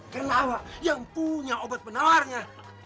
karena tuhan yang punya obat penawarnya